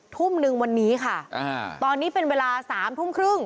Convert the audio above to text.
ทุ่มนึงวันนี้ค่ะตอนนี้เป็นเวลา๓ทุ่มครึ่ง